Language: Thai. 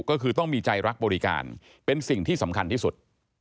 ก็คือต้องมีใจรักบริการเป็นสิ่งที่สำคัญที่สุด